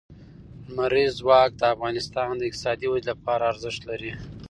لمریز ځواک د افغانستان د اقتصادي ودې لپاره ارزښت لري.